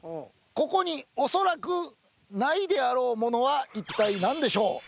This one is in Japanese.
ここに恐らくないであろうものは一体何でしょう？